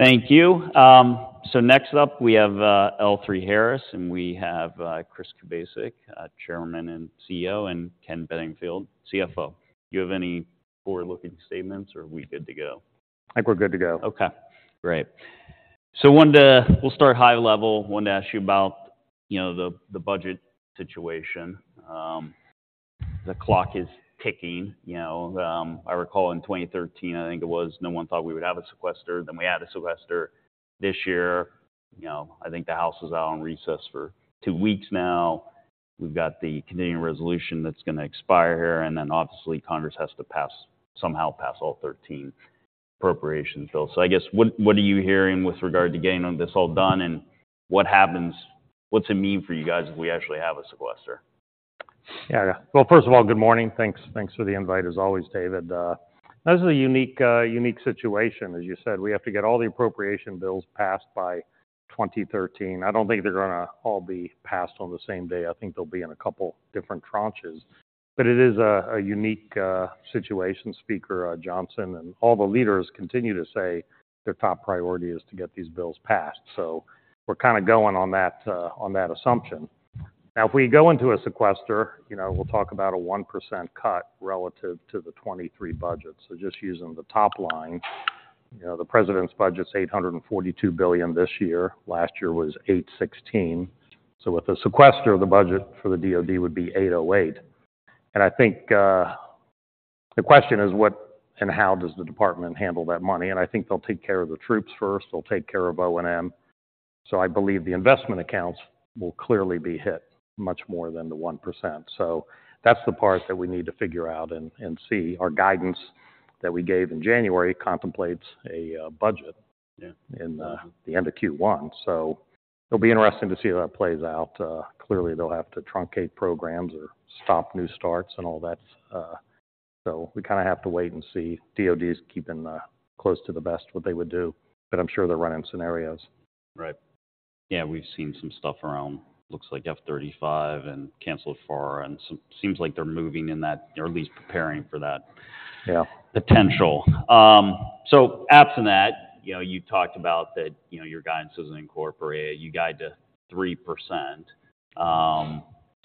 Thank you. So next up we have L3Harris, and we have Chris Kubasik, Chairman and CEO, and Kenneth Bedingfield, CFO. Do you have any forward-looking statements, or are we good to go? I think we're good to go. Okay. Great. So I wanted to—we'll start high level. I wanted to ask you about, you know, the budget situation. The clock is ticking, you know. I recall in 2013, I think it was, no one thought we would have a sequester. Then we had a sequester this year. You know, I think the House was out on recess for two weeks now. We've got the Continuing Resolution that's gonna expire here, and then obviously Congress has to pass, somehow pass all 13 appropriations bills. So I guess, what are you hearing with regard to getting this all done, and what happens, what's it mean for you guys if we actually have a sequester? Yeah. Well, first of all, good morning. Thanks for the invite, as always, David. This is a unique, unique situation. As you said, we have to get all the appropriation bills passed by 2023. I don't think they're gonna all be passed on the same day. I think they'll be in a couple different tranches. But it is a unique situation, Speaker Johnson, and all the leaders continue to say their top priority is to get these bills passed. So we're kinda going on that assumption. Now, if we go into a sequester, you know, we'll talk about a 1% cut relative to the 2023 budget. So just using the top line, you know, the President's budget's $842 billion this year. Last year was $816. So with a sequester, the budget for the DOD would be $808. I think the question is what and how does the Department handle that money? I think they'll take care of the troops first. They'll take care of O&M. So I believe the investment accounts will clearly be hit much more than the 1%. So that's the part that we need to figure out and see. Our guidance that we gave in January contemplates a budget in the end of Q1. So it'll be interesting to see how that plays out. Clearly, they'll have to truncate programs or stop new starts and all that. So we kinda have to wait and see. DOD's keeping close to the vest what they would do, but I'm sure they're running scenarios. Right. Yeah. We've seen some stuff around, looks like, F-35 and canceled FARA and some, seems like they're moving in that, or at least preparing for that potential. So absent that, you know, you talked about that, you know, your guidance isn't incorporated. You guided 3%.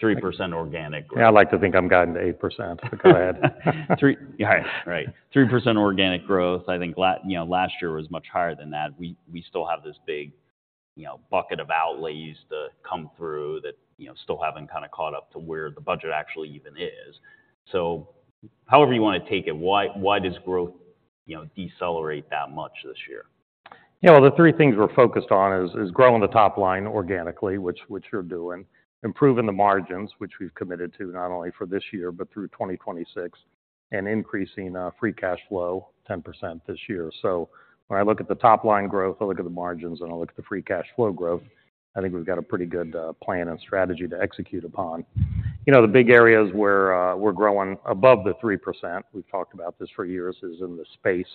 3% organic growth. Yeah. I like to think I'm guiding 8%. Go ahead. Right. 3% organic growth. I think, you know, last year was much higher than that. We still have this big, you know, bucket of outlays to come through that, you know, still haven't kinda caught up to where the budget actually even is. So however you wanna take it, why does growth, you know, decelerate that much this year? Yeah. Well, the three things we're focused on is growing the top line organically, which you're doing, improving the margins, which we've committed to not only for this year but through 2026, and increasing free cash flow 10% this year. So when I look at the top line growth, I look at the margins, and I look at the free cash flow growth, I think we've got a pretty good plan and strategy to execute upon. You know, the big areas where we're growing above the 3%—we've talked about this for years—is in the space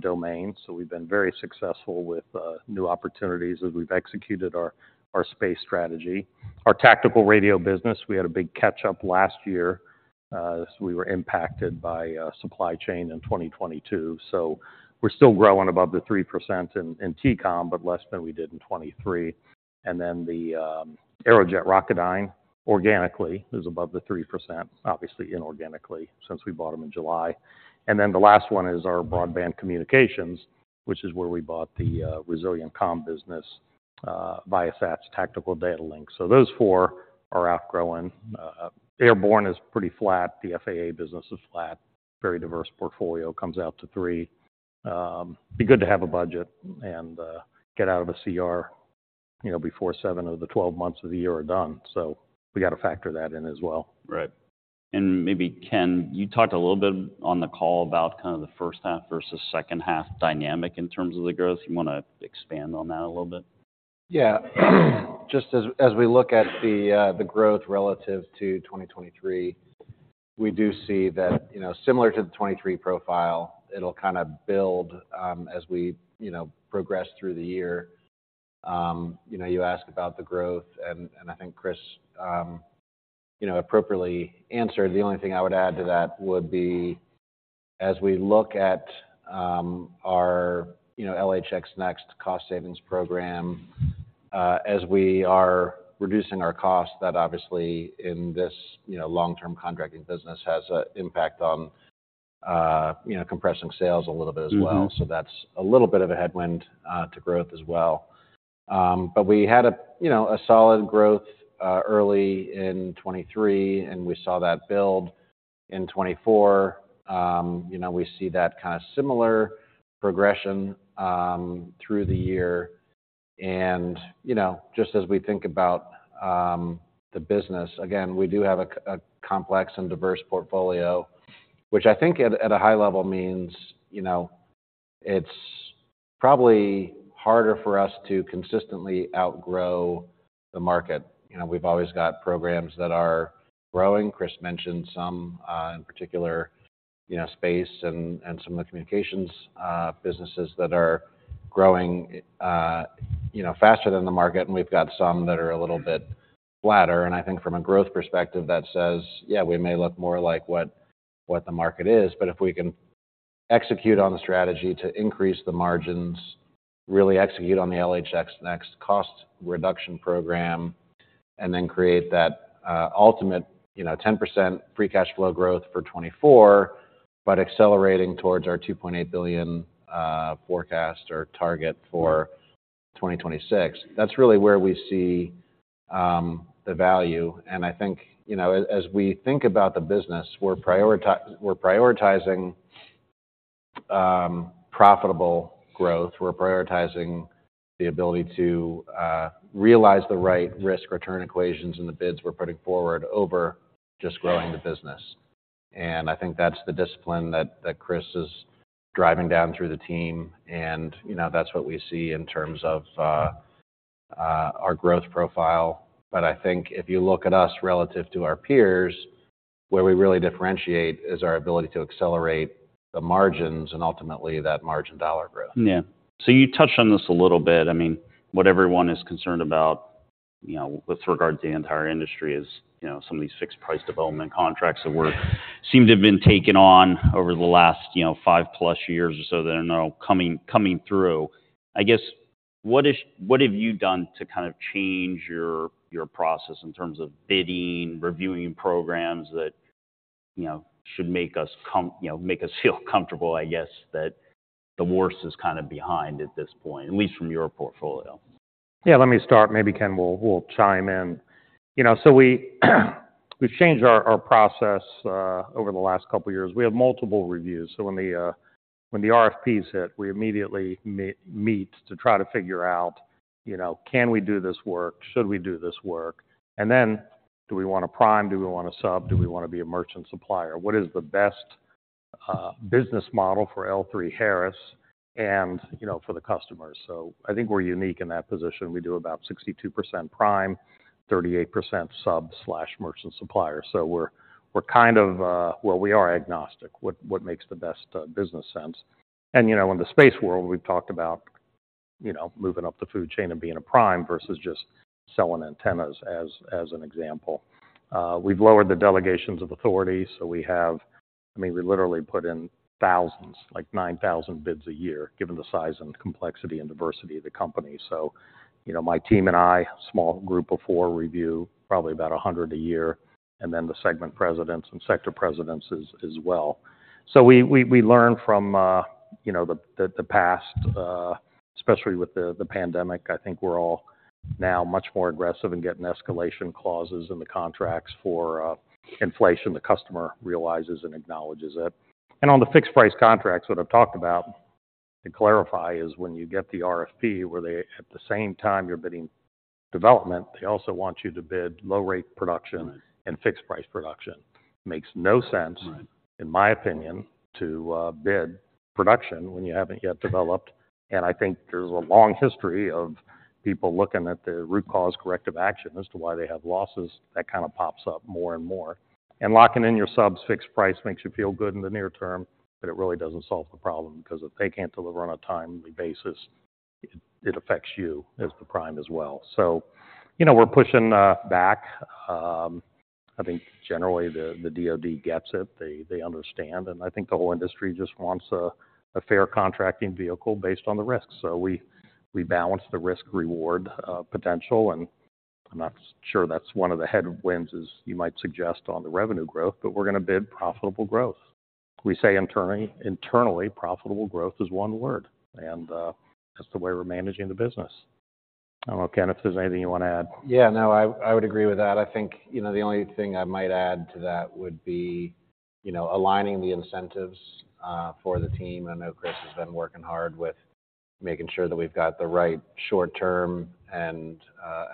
domain. So we've been very successful with new opportunities as we've executed our space strategy. Our tactical radio business, we had a big catch-up last year as we were impacted by supply chain in 2022. So we're still growing above the 3% in TCOM but less than we did in 2023. And then the Aerojet Rocketdyne organically is above the 3%, obviously inorganically since we bought them in July. And then the last one is our broadband communications, which is where we bought the resilient comm business via SATCOM Tactical Data Link. So those four are outgrowing. Airborne is pretty flat. The FAA business is flat. Very diverse portfolio. Comes out to 3%. Be good to have a budget and get out of a CR, you know, before seven of the 12 months of the year are done. So we gotta factor that in as well. Right. Maybe, Ken, you talked a little bit on the call about kinda the first half versus second half dynamic in terms of the growth. You wanna expand on that a little bit? Yeah. Just as we look at the growth relative to 2023, we do see that, you know, similar to the 2023 profile, it'll kinda build as we, you know, progress through the year. You know, you asked about the growth, and I think Chris, you know, appropriately answered. The only thing I would add to that would be as we look at our, you know, LHX NeXt cost savings program, as we are reducing our costs, that obviously in this, you know, long-term contracting business has an impact on, you know, compressing sales a little bit as well. So that's a little bit of a headwind to growth as well. But we had a, you know, a solid growth early in 2023, and we saw that build in 2024. You know, we see that kinda similar progression through the year. You know, just as we think about the business, again, we do have a complex and diverse portfolio, which I think at a high level means, you know, it's probably harder for us to consistently outgrow the market. You know, we've always got programs that are growing. Chris mentioned some in particular, you know, space and some of the communications businesses that are growing, you know, faster than the market, and we've got some that are a little bit flatter. And I think from a growth perspective, that says, yeah, we may look more like what the market is. But if we can execute on the strategy to increase the margins, really execute on the LHX NeXt cost reduction program, and then create that ultimate, you know, 10% free cash flow growth for 2024 but accelerating towards our $2.8 billion forecast or target for 2026, that's really where we see the value. And I think, you know, as we think about the business, we're prioritizing profitable growth. We're prioritizing the ability to realize the right risk return equations in the bids we're putting forward over just growing the business. And I think that's the discipline that Chris is driving down through the team, and, you know, that's what we see in terms of our growth profile. But I think if you look at us relative to our peers, where we really differentiate is our ability to accelerate the margins and ultimately that margin dollar growth. Yeah. So you touched on this a little bit. I mean, what everyone is concerned about, you know, with regards to the entire industry is, you know, some of these fixed-price development contracts that seem to have been taken on over the last, you know, 5+ years or so that are now coming through. I guess, what have you done to kind of change your process in terms of bidding, reviewing programs that, you know, should make us feel comfortable, I guess, that the worst is kinda behind at this point, at least from your portfolio? Yeah. Let me start. Maybe, Ken, we'll chime in. You know, so we've changed our process over the last couple years. We have multiple reviews. So when the RFPs hit, we immediately meet to try to figure out, you know, can we do this work? Should we do this work? And then do we wanna prime? Do we wanna sub? Do we wanna be a merchant supplier? What is the best business model for L3Harris and, you know, for the customers? So I think we're unique in that position. We do about 62% prime, 38% sub/merchant supplier. So we're kind of, well, we are agnostic, what makes the best business sense. And, you know, in the space world, we've talked about, you know, moving up the food chain and being a prime versus just selling antennas as an example. We've lowered the delegations of authority. So we have, I mean, we literally put in thousands, like 9,000 bids a year, given the size and complexity and diversity of the company. So, you know, my team and I, a small group of four, review probably about 100 a year, and then the segment presidents and sector presidents as well. So we learn from, you know, the past, especially with the pandemic. I think we're all now much more aggressive in getting escalation clauses in the contracts for inflation. The customer realizes and acknowledges it. And on the fixed-price contracts, what I've talked about to clarify is when you get the RFP where at the same time you're bidding development, they also want you to bid low-rate production and fixed-price production. Makes no sense, in my opinion, to bid production when you haven't yet developed. I think there's a long history of people looking at the root cause corrective action as to why they have losses. That kinda pops up more and more. Locking in your sub's fixed price makes you feel good in the near term, but it really doesn't solve the problem because if they can't deliver on a timely basis, it affects you as the prime as well. So, you know, we're pushing back. I think generally the DOD gets it. They understand. I think the whole industry just wants a fair contracting vehicle based on the risks. So we balance the risk-reward potential. I'm not sure that's one of the headwinds, as you might suggest, on the revenue growth, but we're gonna bid profitable growth. We say internally profitable growth is one word, and that's the way we're managing the business. I don't know, Ken, if there's anything you wanna add. Yeah. No. I would agree with that. I think, you know, the only thing I might add to that would be, you know, aligning the incentives for the team. I know Chris has been working hard with making sure that we've got the right short-term and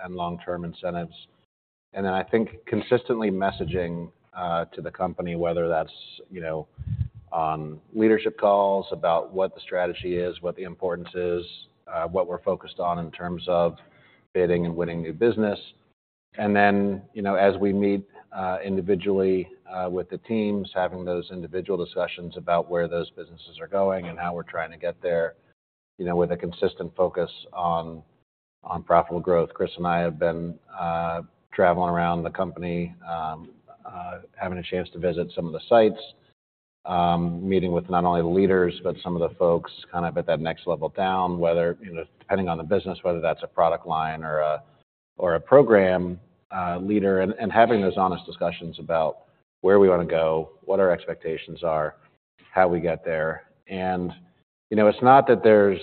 long-term incentives. And then I think consistently messaging to the company, whether that's, you know, on leadership calls about what the strategy is, what the importance is, what we're focused on in terms of bidding and winning new business. And then, you know, as we meet individually with the teams, having those individual discussions about where those businesses are going and how we're trying to get there, you know, with a consistent focus on profitable growth. Chris and I have been traveling around the company, having a chance to visit some of the sites, meeting with not only the leaders but some of the folks kinda at that next level down, depending on the business, whether that's a product line or a program leader, and having those honest discussions about where we wanna go, what our expectations are, how we get there. And, you know, it's not that there's,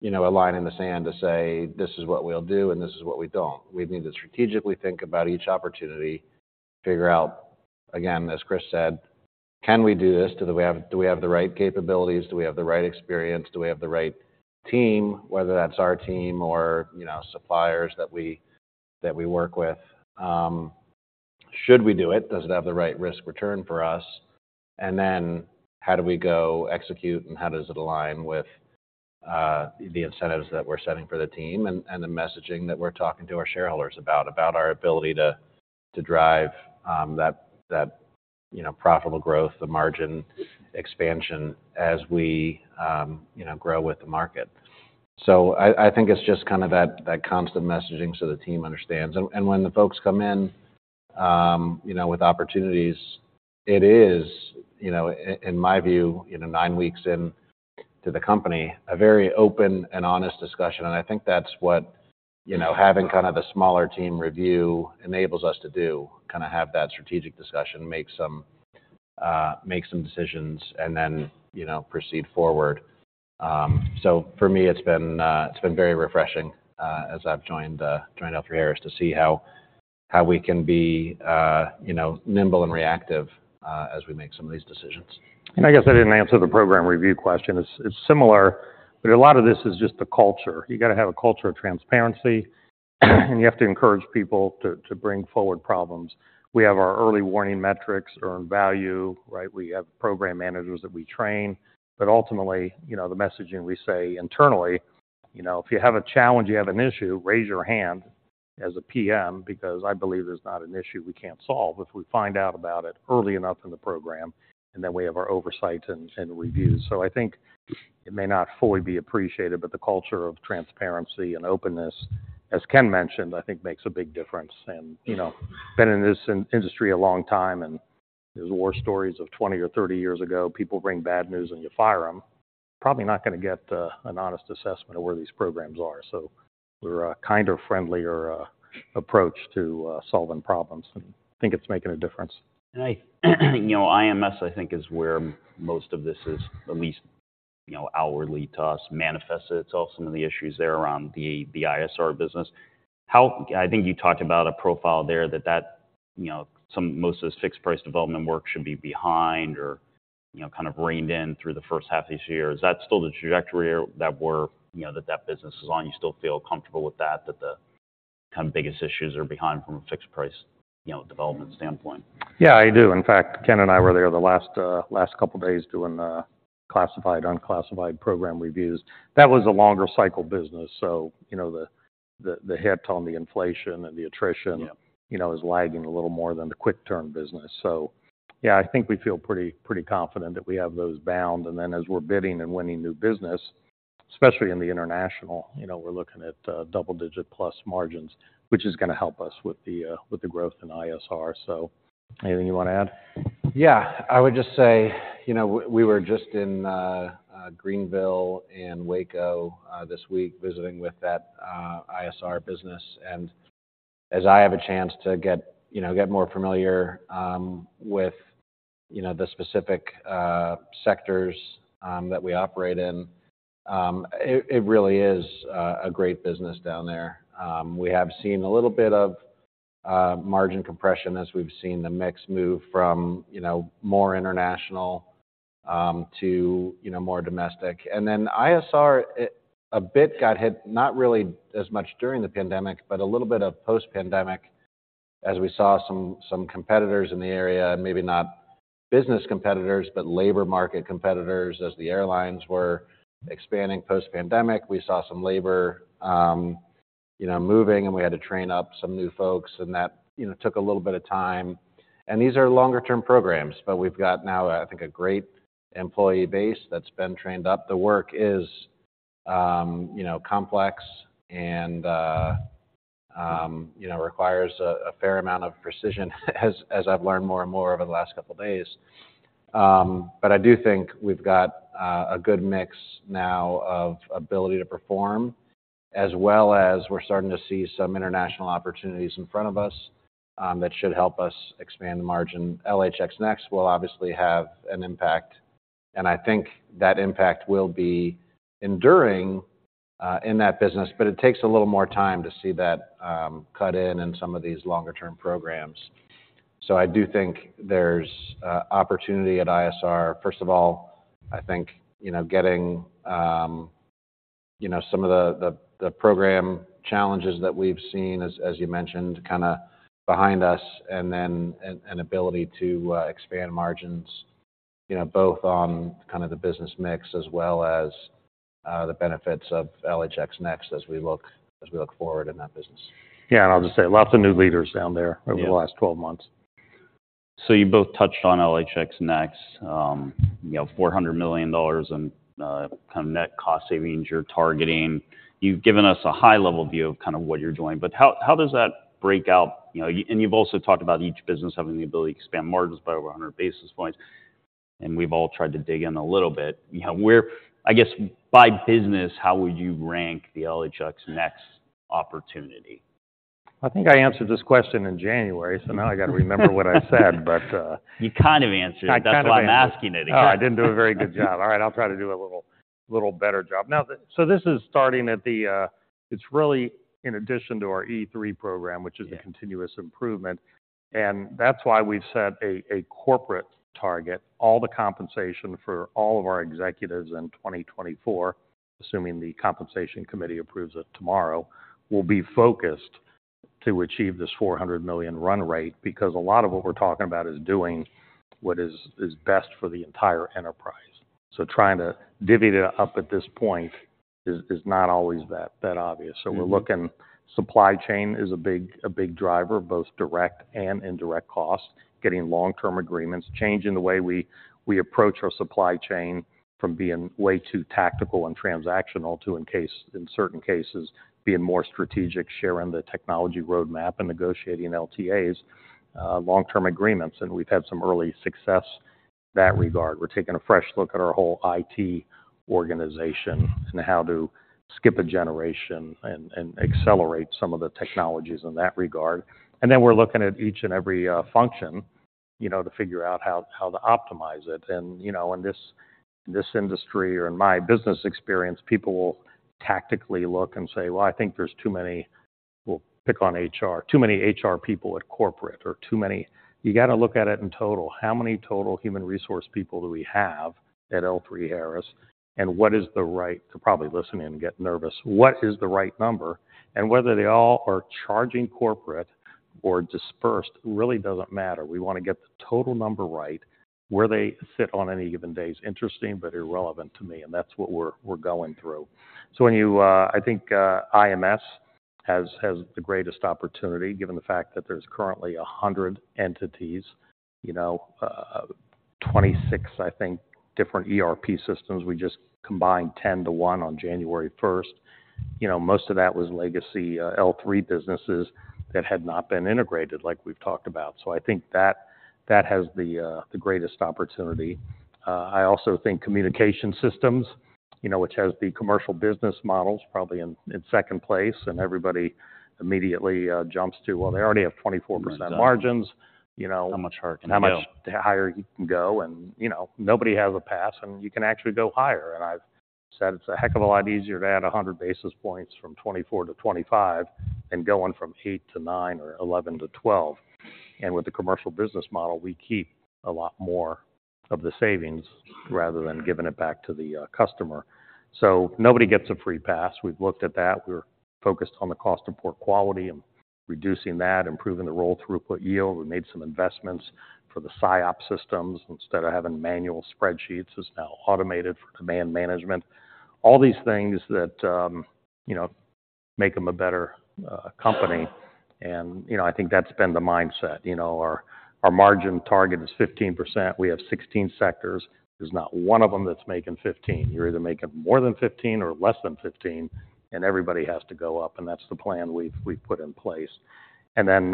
you know, a line in the sand to say, "This is what we'll do, and this is what we don't." We need to strategically think about each opportunity, figure out, again, as Chris said, can we do this? Do we have the right capabilities? Do we have the right experience? Do we have the right team, whether that's our team or, you know, suppliers that we work with? Should we do it? Does it have the right risk return for us? And then how do we go execute, and how does it align with the incentives that we're setting for the team and the messaging that we're talking to our shareholders about, about our ability to drive that, you know, profitable growth, the margin expansion as we, you know, grow with the market? So I think it's just kinda that constant messaging so the team understands. And when the folks come in, you know, with opportunities, it is, you know, in my view, you know, nine weeks into the company, a very open and honest discussion. And I think that's what, you know, having kinda the smaller team review enables us to do, kinda have that strategic discussion, make some decisions, and then, you know, proceed forward. So for me, it's been very refreshing as I've joined L3Harris to see how we can be, you know, nimble and reactive as we make some of these decisions. I guess I didn't answer the program review question. It's similar, but a lot of this is just the culture. You gotta have a culture of transparency, and you have to encourage people to bring forward problems. We have our early warning metrics, earned value, right? We have program managers that we train. But ultimately, you know, the messaging we say internally, you know, if you have a challenge, you have an issue, raise your hand as a PM because I believe there's not an issue we can't solve if we find out about it early enough in the program, and then we have our oversight and reviews. So I think it may not fully be appreciated, but the culture of transparency and openness, as Ken mentioned, I think makes a big difference. You know, I've been in this industry a long time, and there's war stories of 20 or 30 years ago. People bring bad news, and you fire them. You're probably not gonna get an honest assessment of where these programs are. So we're a kinder, friendlier approach to solving problems, and I think it's making a difference. I, you know, IMS, I think, is where most of this is at least, you know, hourly to us, manifests itself, some of the issues there around the ISR business. I think you talked about a profile there that, you know, most of this fixed-price development work should be behind or, you know, kind of reined in through the first half of this year. Is that still the trajectory that that business is on? You still feel comfortable with that, that the kinda biggest issues are behind from a fixed-price, you know, development standpoint? Yeah. I do. In fact, Ken and I were there the last couple days doing classified/unclassified program reviews. That was a longer-cycle business. So, you know, the hit on the inflation and the attrition, you know, is lagging a little more than the quick-term business. So, yeah, I think we feel pretty confident that we have those bound. And then as we're bidding and winning new business, especially in the international, you know, we're looking at double-digit+ margins, which is gonna help us with the growth in ISR. So anything you wanna add? Yeah. I would just say, you know, we were just in Greenville and Waco this week visiting with that ISR business. As I have a chance to get, you know, more familiar with, you know, the specific sectors that we operate in, it really is a great business down there. We have seen a little bit of margin compression as we've seen the mix move from, you know, more international to, you know, more domestic. Then ISR a bit got hit, not really as much during the pandemic but a little bit of post-pandemic as we saw some competitors in the area, maybe not business competitors but labor market competitors as the airlines were expanding post-pandemic. We saw some labor, you know, moving, and we had to train up some new folks, and that, you know, took a little bit of time. These are longer-term programs, but we've got now, I think, a great employee base that's been trained up. The work is, you know, complex and, you know, requires a fair amount of precision, as I've learned more and more over the last couple days. But I do think we've got a good mix now of ability to perform, as well as we're starting to see some international opportunities in front of us that should help us expand the margin. LHX NeXt will obviously have an impact, and I think that impact will be enduring in that business, but it takes a little more time to see that cut in in some of these longer-term programs. So I do think there's opportunity at ISR. First of all, I think, you know, getting, you know, some of the program challenges that we've seen, as you mentioned, kinda behind us, and then an ability to expand margins, you know, both on kinda the business mix as well as the benefits of LHX NeXt as we look forward in that business. Yeah. I'll just say lots of new leaders down there over the last 12 months. So you both touched on LHX NeXt, you know, $400 million in kinda net cost savings you're targeting. You've given us a high-level view of kinda what you're doing, but how does that break out? You know, and you've also talked about each business having the ability to expand margins by over 100 basis points, and we've all tried to dig in a little bit. You know, I guess by business, how would you rank the LHX NeXt opportunity? I think I answered this question in January, so now I gotta remember what I said, but. You kind of answered it. That's why I'm asking it again. All right. I didn't do a very good job. All right. I'll try to do a little better job. Now, so this is starting at the it's really in addition to our E3 Program, which is the continuous improvement. And that's why we've set a corporate target. All the compensation for all of our executives in 2024, assuming the compensation committee approves it tomorrow, will be focused to achieve this $400 million run rate because a lot of what we're talking about is doing what is best for the entire enterprise. So trying to divvy it up at this point is not always that obvious. So we're looking supply chain is a big driver, both direct and indirect cost, getting long-term agreements, changing the way we approach our supply chain from being way too tactical and transactional to, in certain cases, being more strategic, sharing the technology roadmap and negotiating LTAs, long-term agreements. And we've had some early success in that regard. We're taking a fresh look at our whole IT organization and how to skip a generation and accelerate some of the technologies in that regard. And then we're looking at each and every function, you know, to figure out how to optimize it. And, you know, in this industry or in my business experience, people will tactically look and say, "Well, I think there's too many we'll pick on HR, too many HR people at corporate," or too many you gotta look at it in total. How many total human resource people do we have at L3Harris? What is the right, they're probably listening and getting nervous. What is the right number? Whether they all are charging corporate or dispersed really doesn't matter. We wanna get the total number right, where they fit on any given day is interesting but irrelevant to me, and that's what we're going through. So when you I think IMS has the greatest opportunity, given the fact that there's currently 100 entities, you know, 26, I think, different ERP systems. We just combined 10-one on January 1st. You know, most of that was legacy L3 businesses that had not been integrated, like we've talked about. So I think that has the greatest opportunity. I also think communication systems, you know, which has the commercial business models probably in second place, and everybody immediately jumps to, "Well, they already have 24% margins." You know. How much higher can they go? How much higher you can go. You know, nobody has a pass, and you can actually go higher. I've said it's a heck of a lot easier to add 100 basis points from 24-25 than going from eight-nine or 11-12. With the commercial business model, we keep a lot more of the savings rather than giving it back to the customer. Nobody gets a free pass. We've looked at that. We were focused on the cost improvement quality and reducing that, improving the Rolled Throughput Yield. We made some investments for the SIOP systems. Instead of having manual spreadsheets, it's now automated for demand management, all these things that, you know, make them a better company. You know, I think that's been the mindset. You know, our margin target is 15%. We have 16 sectors. There's not one of them that's making 15. You're either making more than 15 or less than 15, and everybody has to go up, and that's the plan we've put in place. And then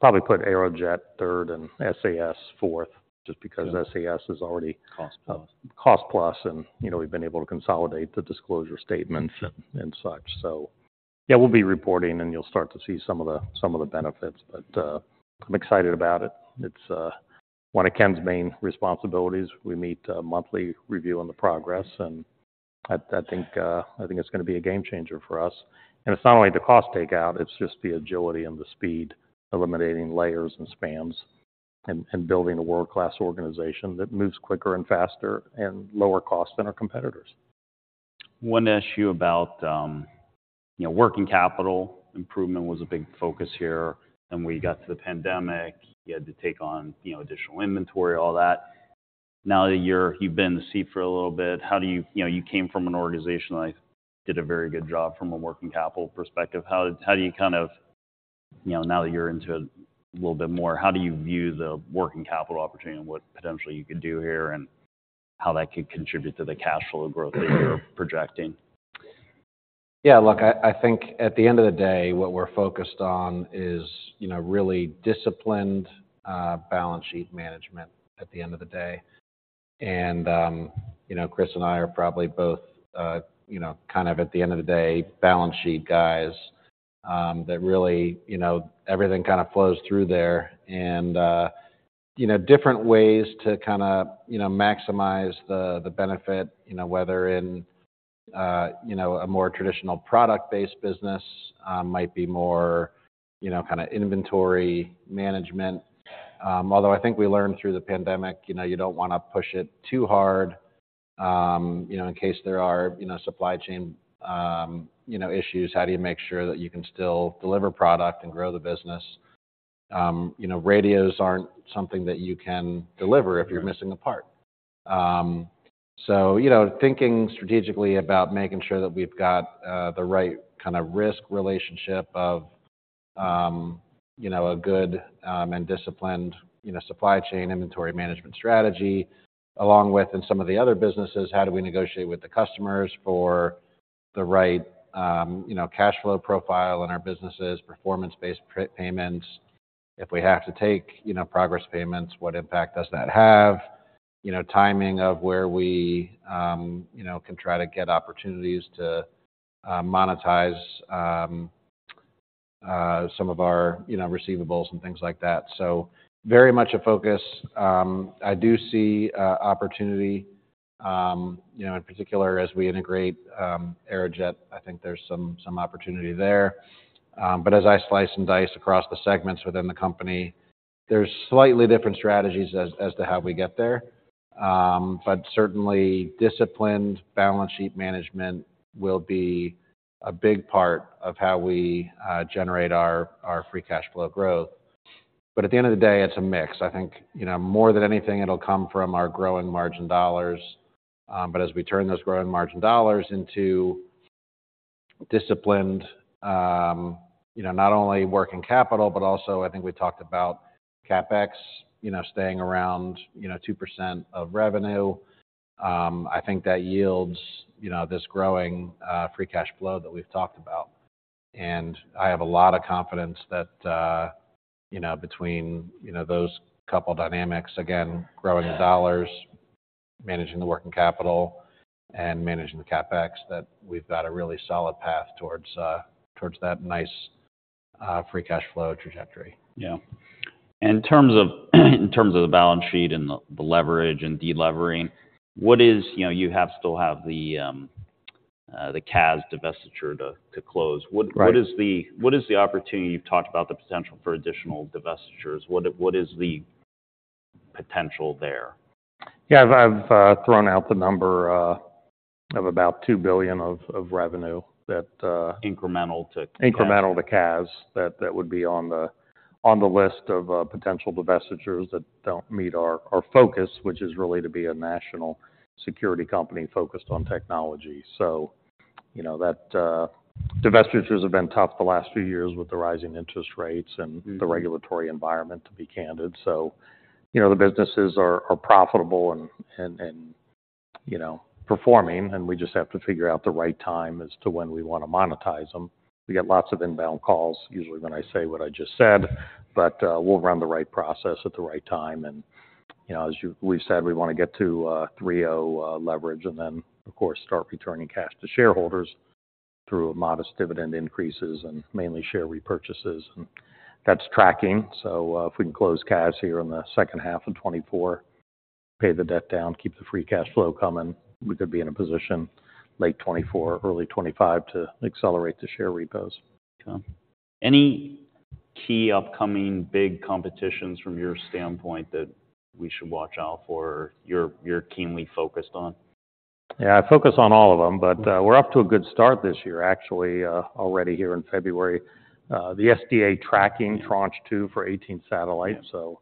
probably put Aerojet third and SAS fourth just because SAS is already. Cost-plus. Cost-plus. And, you know, we've been able to consolidate the disclosure statements and such. So, yeah, we'll be reporting, and you'll start to see some of the benefits, but I'm excited about it. It's one of Ken's main responsibilities. We meet monthly reviewing the progress, and I think it's gonna be a game changer for us. And it's not only the cost takeout. It's just the agility and the speed, eliminating layers and spans and building a world-class organization that moves quicker and faster and lower cost than our competitors. One issue about, you know, working capital improvement was a big focus here. Then we got to the pandemic. You had to take on, you know, additional inventory, all that. Now that you've been in the seat for a little bit, how do you, you know, you came from an organization that I think did a very good job from a working capital perspective. How do you kind of, you know, now that you're into it a little bit more, how do you view the working capital opportunity and what potentially you could do here and how that could contribute to the cash flow growth that you're projecting? Yeah. Look, I think at the end of the day, what we're focused on is, you know, really disciplined balance sheet management at the end of the day. And, you know, Chris and I are probably both, you know, kind of at the end of the day, balance sheet guys that really, you know, everything kinda flows through there. And, you know, different ways to kinda, you know, maximize the benefit, you know, whether in, you know, a more traditional product-based business might be more, you know, kinda inventory management. Although I think we learned through the pandemic, you know, you don't wanna push it too hard, you know, in case there are, you know, supply chain, you know, issues. How do you make sure that you can still deliver product and grow the business? You know, radios aren't something that you can deliver if you're missing a part. So, you know, thinking strategically about making sure that we've got the right kinda risk relationship of, you know, a good and disciplined, you know, supply chain inventory management strategy along with, in some of the other businesses, how do we negotiate with the customers for the right, you know, cash flow profile in our businesses, performance-based payments? If we have to take, you know, progress payments, what impact does that have? You know, timing of where we, you know, can try to get opportunities to monetize some of our, you know, receivables and things like that. So very much a focus. I do see opportunity, you know, in particular as we integrate Aerojet. I think there's some opportunity there. But as I slice and dice across the segments within the company, there's slightly different strategies as to how we get there. But certainly, disciplined balance sheet management will be a big part of how we generate our free cash flow growth. But at the end of the day, it's a mix. I think, you know, more than anything, it'll come from our growing margin dollars. But as we turn those growing margin dollars into disciplined, you know, not only working capital but also, I think we talked about CapEx, you know, staying around, you know, 2% of revenue, I think that yields, you know, this growing free cash flow that we've talked about. And I have a lot of confidence that, you know, between, you know, those couple dynamics, again, growing the dollars, managing the working capital, and managing the CapEx, that we've got a really solid path towards that nice free cash flow trajectory. Yeah. In terms of the balance sheet and the leverage and delevering, what is, you know, you still have the CAS divestiture to close. What is the opportunity? You've talked about the potential for additional divestitures. What is the potential there? Yeah. I've thrown out the number of about $2 billion of revenue that. Incremental to CAS. Incremental to CAS that would be on the list of potential divestitures that don't meet our focus, which is really to be a national security company focused on technology. So, you know, divestitures have been tough the last few years with the rising interest rates and the regulatory environment, to be candid. So, you know, the businesses are profitable and, you know, performing, and we just have to figure out the right time as to when we wanna monetize them. We get lots of inbound calls, usually when I say what I just said, but we'll run the right process at the right time. And, you know, as we've said, we wanna get to 3.0 leverage and then, of course, start returning cash to shareholders through modest dividend increases and mainly share repurchases. And that's tracking. If we can close CAS here in the second half of 2024, pay the debt down, keep the free cash flow coming, we could be in a position late 2024, early 2025 to accelerate the share repos. Okay. Any key upcoming big competitions from your standpoint that we should watch out for? You're keenly focused on. Yeah. I focus on all of them, but we're up to a good start this year, actually, already here in February. The SDA tracking tranche two for 18 satellites. So,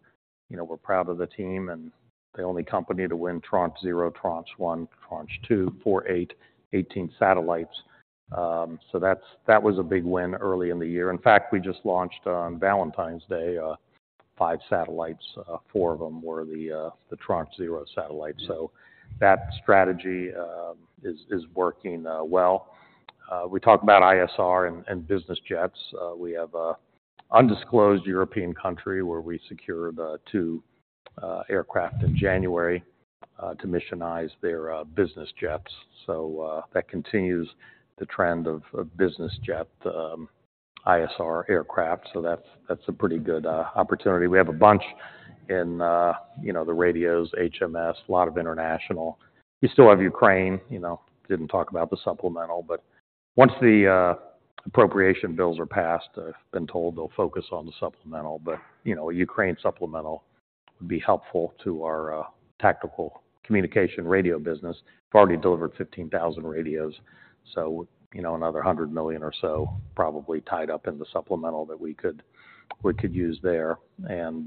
you know, we're proud of the team, and they're the only company to win tranche zero, tranche one, tranche two, four, eight, 18 satellites. So that was a big win early in the year. In fact, we just launched on Valentine's Day five satellites. Four of them were the tranche zero satellites. So that strategy is working well. We talk about ISR and business jets. We have an undisclosed European country where we secured two aircraft in January to missionize their business jets. So that continues the trend of business jet ISR aircraft. So that's a pretty good opportunity. We have a bunch in, you know, the radios, HMS, a lot of international. We still have Ukraine. You know, didn't talk about the supplemental, but once the appropriation bills are passed, I've been told they'll focus on the supplemental. But, you know, a Ukraine supplemental would be helpful to our tactical communication radio business. We've already delivered 15,000 radios. So, you know, another $100 million or so probably tied up in the supplemental that we could use there. And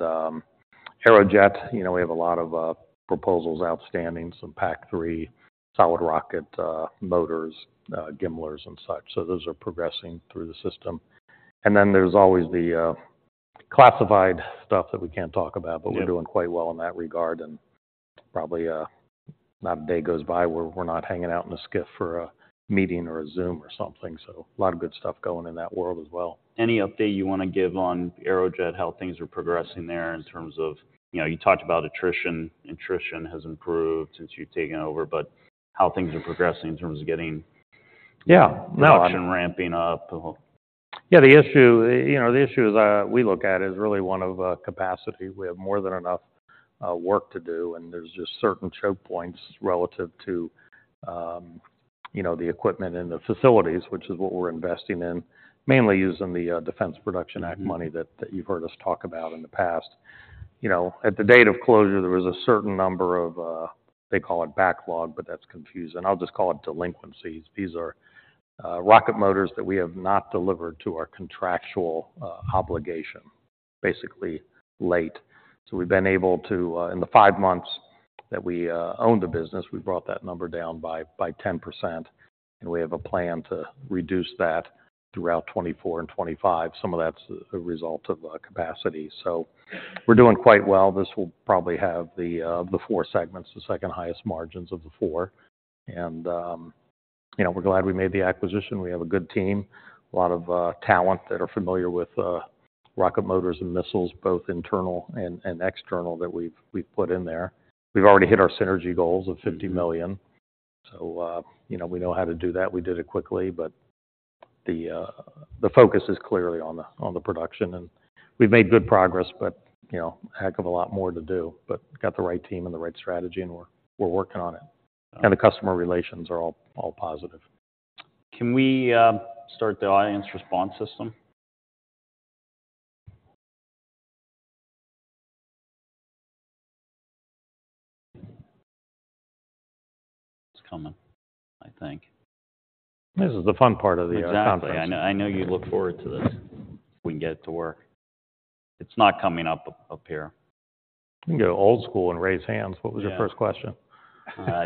Aerojet, you know, we have a lot of proposals outstanding, some PAC-3 solid rocket motors, GMLRS, and such. So those are progressing through the system. And then there's always the classified stuff that we can't talk about, but we're doing quite well in that regard. And probably not a day goes by where we're not hanging out in a SCIF for a meeting or a Zoom or something. So a lot of good stuff going in that world as well. Any update you wanna give on Aerojet, how things are progressing there in terms of you know, you talked about attrition. Attrition has improved since you've taken over. But how things are progressing in terms of getting production ramping up? Yeah. The issue, you know, the issue we look at is really one of capacity. We have more than enough work to do, and there's just certain choke points relative to, you know, the equipment in the facilities, which is what we're investing in, mainly using the Defense Production Act money that you've heard us talk about in the past. You know, at the date of closure, there was a certain number of they call it backlog, but that's confusing. I'll just call it delinquencies. These are rocket motors that we have not delivered to our contractual obligation, basically late. So we've been able to in the five months that we own the business, we brought that number down by 10%, and we have a plan to reduce that throughout 2024 and 2025. Some of that's a result of capacity. So we're doing quite well. This will probably have, of the four segments, the second highest margins of the four. You know, we're glad we made the acquisition. We have a good team, a lot of talent that are familiar with rocket motors and missiles, both internal and external, that we've put in there. We've already hit our synergy goals of $50 million. So, you know, we know how to do that. We did it quickly, but the focus is clearly on the production. And we've made good progress, but, you know, a heck of a lot more to do, but got the right team and the right strategy, and we're working on it. And the customer relations are all positive. Can we start the audience response system? It's coming, I think. This is the fun part of the conference. Exactly. I know you look forward to this. We can get it to work. It's not coming up here. We can go old school and raise hands. What was your first question?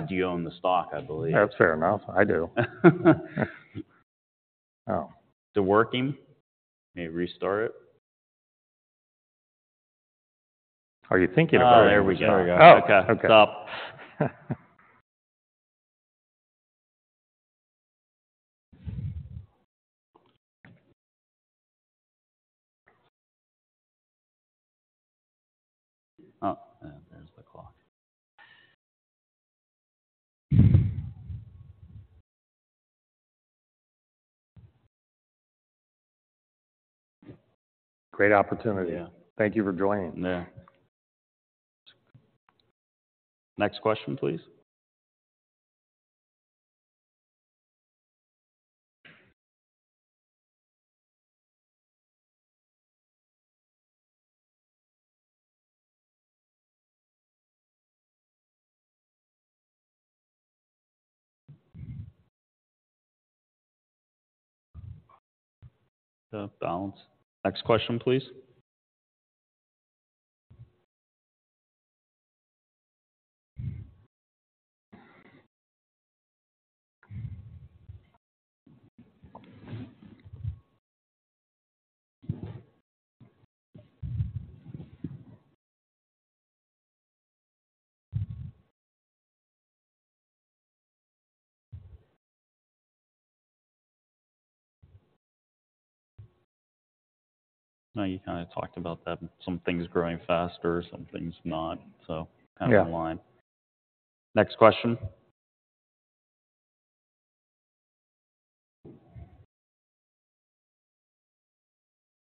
Do you own the stock, I believe? That's fair enough. I do. Oh. The working? Maybe restart it? Are you thinking about it? Oh, there we go. There we go. Okay. Stop. Oh. There's the clock. Great opportunity. Thank you for joining. Yeah. Next question, please. The balance. Next question, please. No, you kinda talked about that, some things growing faster or some things not, so kind of in line. Next question.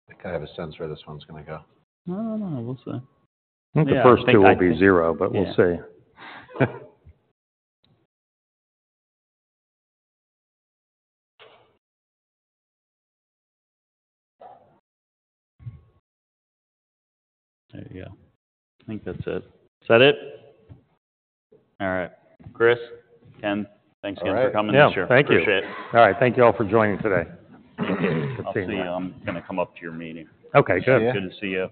I kinda have a sense where this one's gonna go. No, no, no. We'll see. The first two will be zero, but we'll see. There you go. I think that's it. Is that it? All right. Chris, Ken, thanks again for coming this year. All right. Thank you. Appreciate it. All right. Thank you all for joining today. I'll see you. I'll see you. I'm gonna come up to your meeting. Okay. Good. Good to see you.